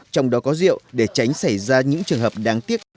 trong đó có rượu để tránh xảy ra những trường hợp đáng tiếc